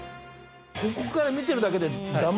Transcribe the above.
ここから見てるだけで。